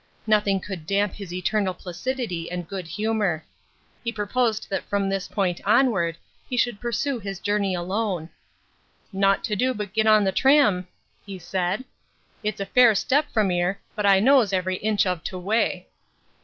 Nothing could damp his eternal placidity and good humour. He proposed that from this point onward he should pursue his journey alone. "Nowt to do but git on th' tram," he said. "It's a fair step from 'ere, but I knows every inch of t' way."